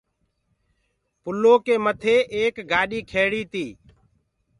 پلوُ ڪي مٿي ايڪ گآڏي کيڙيٚ تيٚ